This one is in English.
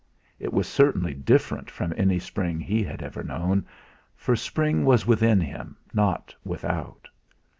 It was certainly different from any spring he had ever known, for spring was within him, not without.